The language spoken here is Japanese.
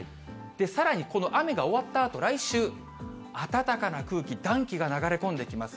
さらに、この雨が終わったあと、来週、暖かな空気、暖気が流れ込んできます。